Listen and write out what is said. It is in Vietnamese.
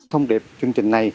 thông điệp chương trình này